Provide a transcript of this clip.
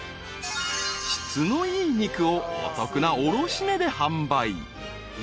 ［質のいい肉をお得な卸値で販売］